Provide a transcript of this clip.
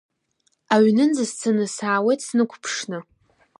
Аҩнынӡа сцаны саауеит, снықәԥшны…